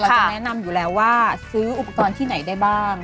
จะแนะนำอยู่แล้วว่าซื้ออุปกรณ์ที่ไหนได้บ้าง